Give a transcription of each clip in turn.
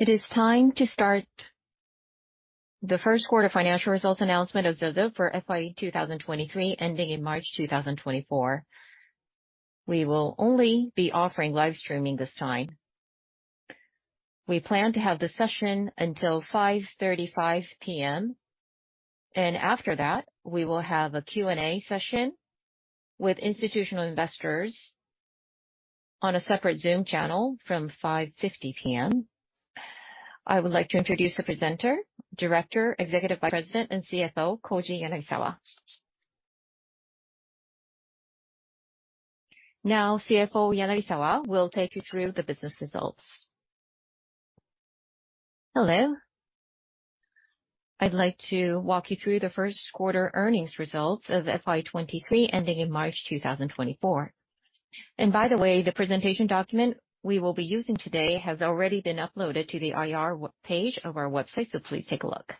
It is time to start the Q1 financial results announcement of ZOZO for FY 2023, ending in March 2024. We will only be offering live streaming this time. We plan to have the session until 5:35 P.M. After that, we will have a Q&A session with institutional investors on a separate Zoom channel from 5:50 P.M. I would like to introduce the presenter, Director, Executive Vice President, and CFO, Koji Yanagisawa. Now, CFO Yanagisawa will take you through the business results. Hello. I'd like to walk you through the Q1 earnings results of FY 2023, ending in March 2024. By the way, the presentation document we will be using today has already been uploaded to the IR page of our website. Please take a look.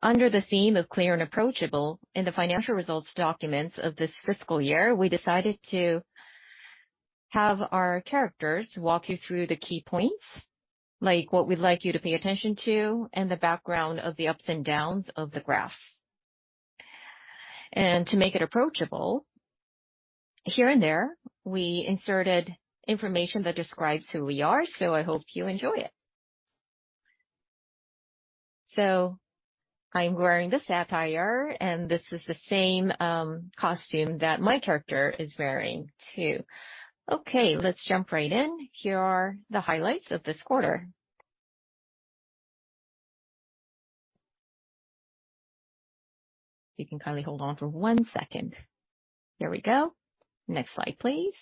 Under the theme of clear and approachable in the financial results documents of this fiscal year, we decided to have our characters walk you through the key points, like what we'd like you to pay attention to, and the background of the ups and downs of the graphs. To make it approachable, here and there, we inserted information that describes who we are, so I hope you enjoy it. I'm wearing this attire, and this is the same costume that my character is wearing, too. Okay, let's jump right in. Here are the highlights of this quarter. If you can kindly hold on for one second. Here we go. Next slide, please.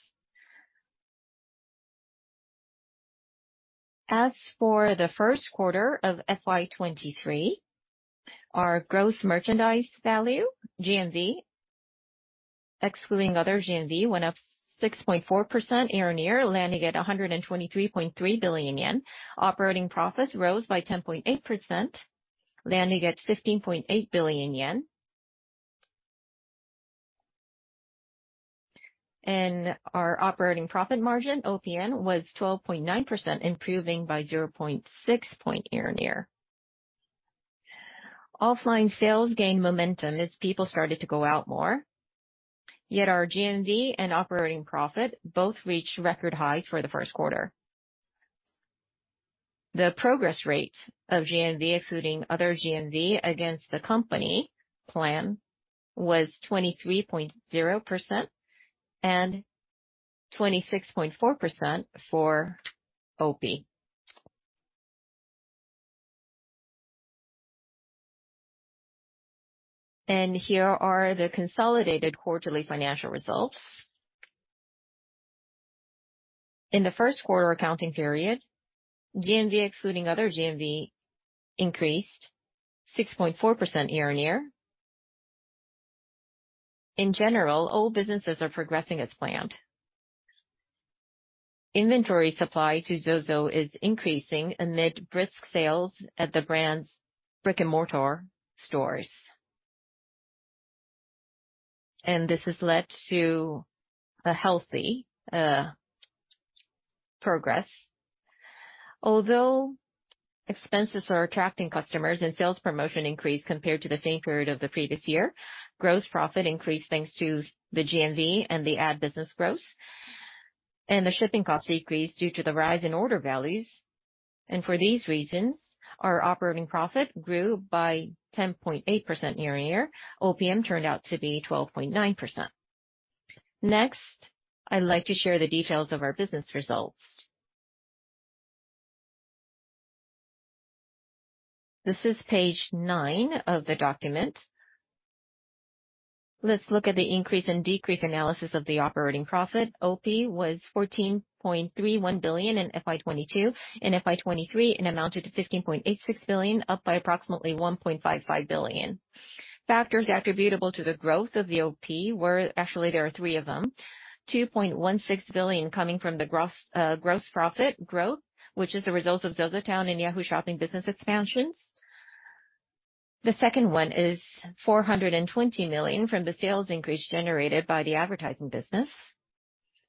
As for the Q1 of Fiscal Year 2023 (FY23), our gross merchandise value, GMV, excluding other GMV, went up 6.4% year-on-year, landing at 123.3 billion yen. Operating profits rose by 10.8%, landing at 15.8 billion yen. Our operating profit margin, OPM, was 12.9%, improving by 0.6 point year-on-year. Offline sales gained momentum as people started to go out more, yet our GMV and operating profit both reached record highs for the Q1. The progress rate of GMV, excluding other GMV against the company plan, was 23.0% and 26.4% for OP. Here are the consolidated quarterly financial results. In the Q1 accounting period, GMV, excluding other GMV, increased 6.4% year-on-year. In general, all businesses are progressing as planned. Inventory supply to ZOZO is increasing amid brisk sales at the brand's brick-and-mortar stores. This has led to a healthy progress. Although expenses are attracting customers and sales promotion increased compared to the same period of the previous year, gross profit increased thanks to the GMV and the ad business growth, the shipping costs decreased due to the rise in order values. For these reasons, our operating profit grew by 10.8% year-on-year. OPM turned out to be 12.9%. Next, I'd like to share the details of our business results. This is page nine of the document. Let's look at the increase and decrease analysis of the operating profit. OP was 14.31 billion in FY22, in FY23, it amounted to 15.86 billion, up by approximately 1.55 billion. Factors attributable to the growth of the OP were... Actually, there are three of them. 2.16 billion coming from the gross profit growth, which is the result of ZOZOTOWN and Yahoo Shopping business expansions. The second one is 420 million from the sales increase generated by the advertising business.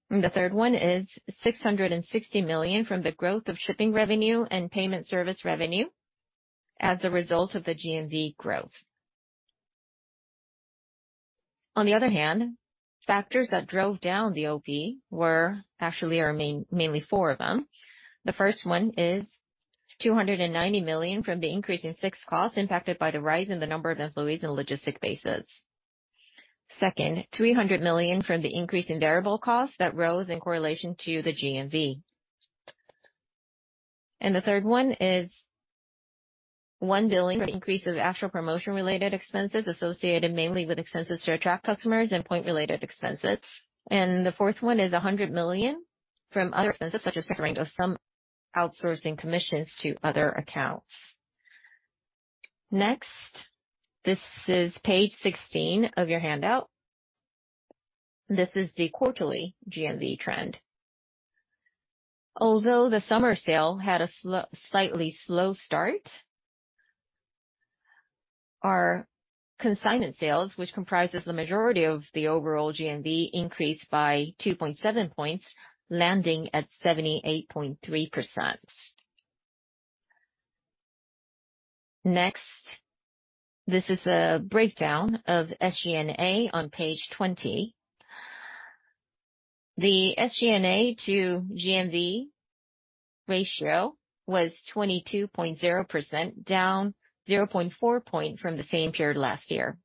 The third one is 660 million from the growth of shipping revenue and payment service revenue as a result of the GMV growth. On the other hand, factors that drove down the OP were, actually, mainly four of them. The first one is 290 million from the increase in fixed costs, impacted by the rise in the number of employees and logistic bases. Second, 300 million from the increase in variable costs that rose in correlation to the GMV. The third one is 1 billion from increase of actual promotion-related expenses associated mainly with expenses to attract customers and point-related expenses. The fourth one is 100 million from other expenses, such as transferring of some outsourcing commissions to other accounts. Next, this is page 16 of your handout. This is the quarterly GMV trend. Although the summer sale had a slightly slow start. Our consignment sales, which comprises the majority of the overall GMV, increased by 2.7 points, landing at 78.3%. Next, this is a breakdown of SG&A on page 20. The SG&A to GMV ratio was 22.0%, down 0.4 point from the same period last year.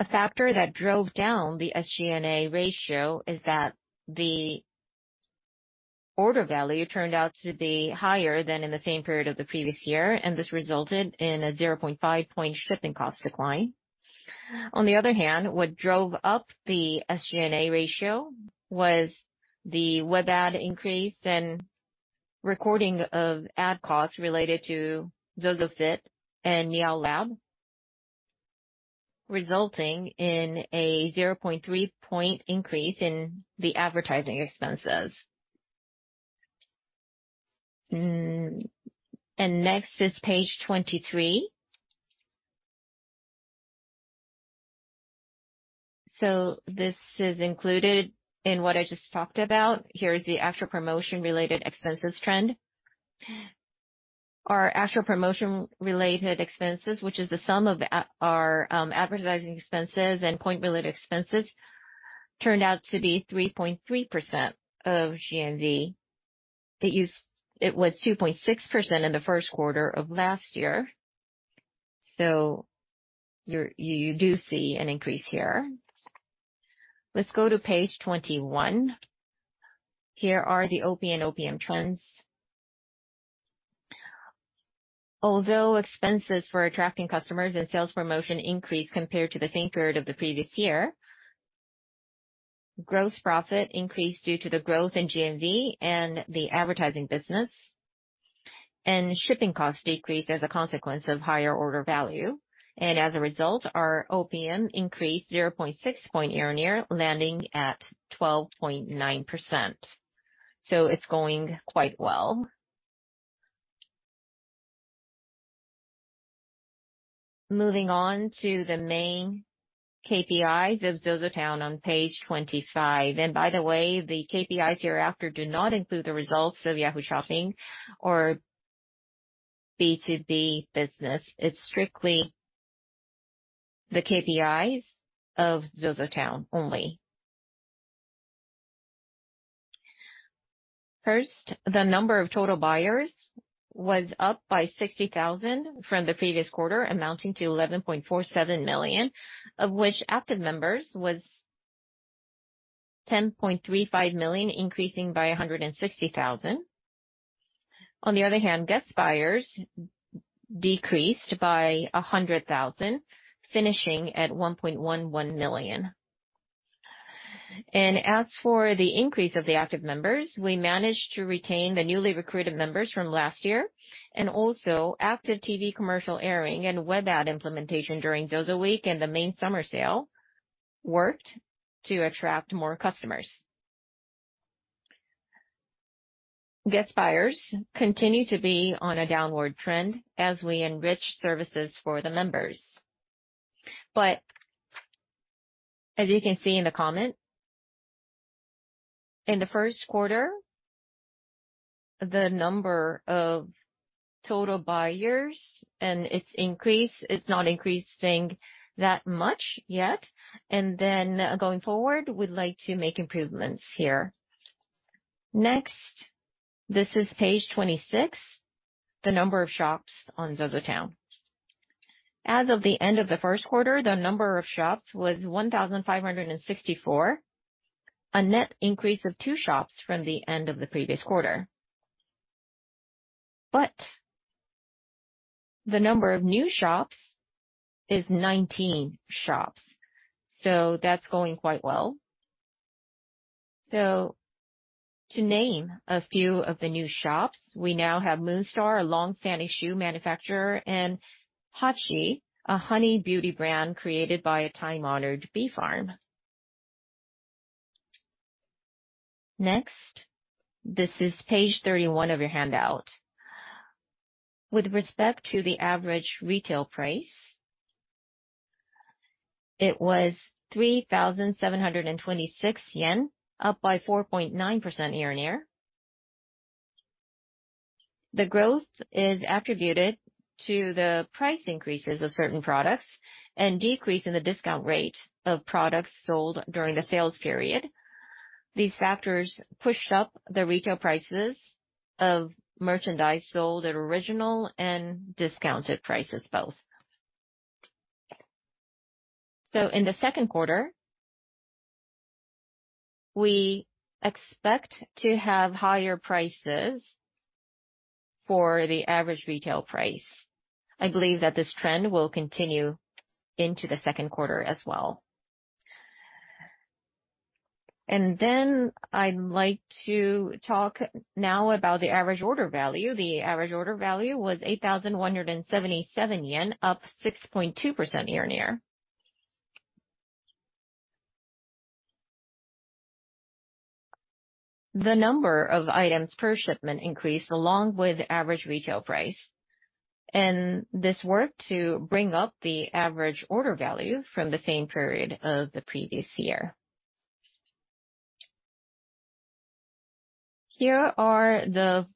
A factor that drove down the SG&A ratio is that the order value turned out to be higher than in the same period of the previous year. This resulted in a 0.5 percentage point shipping cost decline. On the other hand, what drove up the SG&A ratio was the web ad increase and recording of ad costs related to ZOZOFIT and niaulab, resulting in a 0.3 percentage point increase in the advertising expenses. Next is page 23. This is included in what I just talked about. Here is the actual promotion-related expenses trend. Our actual promotion-related expenses, which is the sum of our advertising expenses and point-related expenses, turned out to be 3.3% of GMV. It was 2.6% in the Q1 of last year, so you're, you, you do see an increase here. Let's go to page 21. Here are the OP and OPM trends. Although expenses for attracting customers and sales promotion increased compared to the same period of the previous year, gross profit increased due to the growth in GMV and the advertising business, and shipping costs decreased as a consequence of higher order value. As a result, our OPM increased 0.6 point year-on-year, landing at 12.9%. It's going quite well. Moving on to the main KPI of ZOZOTOWN on page 25. By the way, the KPIs hereafter do not include the results of Yahoo! Shopping or B2B business. It's strictly the KPIs of ZOZOTOWN only. First, the number of total buyers was up by 60,000 from the previous quarter, amounting to 11.47 million, of which active members was 10.35 million, increasing by 160,000. On the other hand, guest buyers decreased by 100,000, finishing at 1.11 million. As for the increase of the active members, we managed to retain the newly recruited members from last year, and also active TV commercial airing and web ad implementation during ZOZOWEEK and the main summer sale worked to attract more customers. Guest buyers continue to be on a downward trend as we enrich services for the members. As you can see in the comment, in the Q1, the number of total buyers and its increase, it's not increasing that much yet, and then going forward, we'd like to make improvements here. This is page 26, the number of shops on ZOZOTOWN. As of the end of the Q1, the number of shops was 1,564, a net increase of 2 shops from the end of the previous quarter. The number of new shops is 19 shops, so that's going quite well. To name a few of the new shops, we now have MoonStar, a long-standing shoe manufacturer, and HACCI, a honey beauty brand created by a time-honored bee farm. This is page 31 of your handout. With respect to the average retail price, it was 3,726 yen, up by 4.9% year-on-year. The growth is attributed to the price increases of certain products and decrease in the discount rate of products sold during the sales period. These factors pushed up the retail prices of merchandise sold at original and discounted prices both. In the Q2, we expect to have higher prices for the average retail price. I believe that this trend will continue into the Q2 as well. I'd like to talk now about the average order value. The average order value was 8,177 yen, up 6.2% year-on-year. The number of items per shipment increased, along with average retail price. This worked to bring up the average order value from the same period of the previous year. Here are the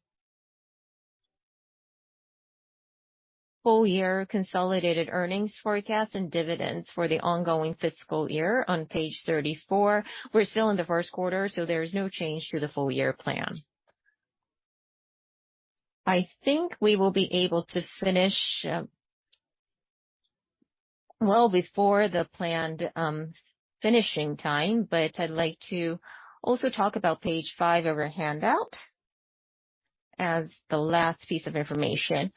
full year consolidated earnings forecast and dividends for the ongoing fiscal year on page 34. We're still in the Q1, so there's no change to the full year plan. I think we will be able to finish well before the planned finishing time. I'd like to also talk about page 5 of our handout as the last piece of information.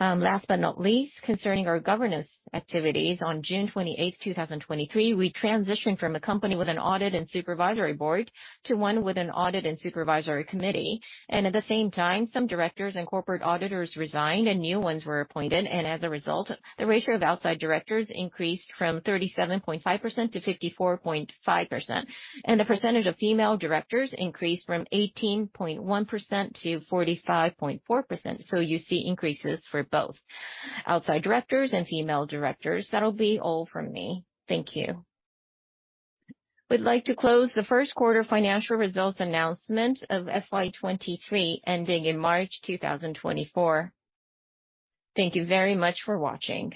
Last but not least, concerning our governance activities, on June 28, 2023, we transitioned from a company with an audit and supervisory board to one with an audit and supervisory committee. At the same time, some directors and corporate auditors resigned and new ones were appointed, and as a result, the ratio of outside directors increased from 37.5% - 54.5%, and the percentage of female directors increased from 18.1% - 45.4%. You see increases for both outside directors and female directors. That'll be all from me. Thank you. We'd like to close the Q1 financial results announcement of FY23, ending in March 2024. Thank you very much for watching.